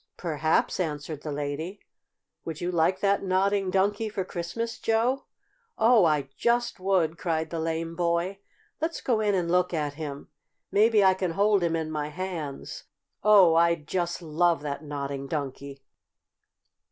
"Perhaps," answered the lady. "Would you like that Nodding Donkey for Christmas, Joe?" "Oh, I just would!" cried the lame boy. "Let's go in and look at him. Maybe I can hold him in my hands! Oh, I'd just love that Nodding Donkey!"